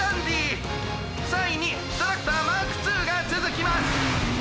３いにトラクターマークⅡがつづきます！